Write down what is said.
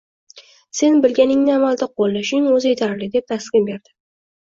Sen bilganingni amalda qoʻlla, shuning oʻzi yetarli, deb taskin berdi